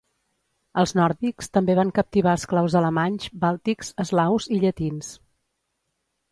Els nòrdics també van captivar esclaus alemanys, bàltics, eslaus i llatins.